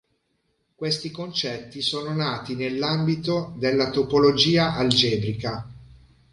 Questi concetti sono nati nell'ambito della topologia algebrica.